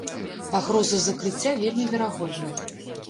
Пагроза закрыцця вельмі верагодная.